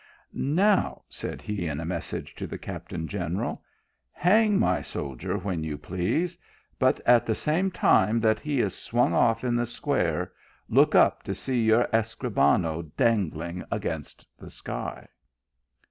" Now," said he, in a message to the captain general, " hang my soldier when you please ; but at the same time that he is swung off in the square, look up to see your Escribano dan gling against the sky."